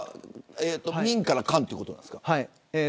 民から官ということですか。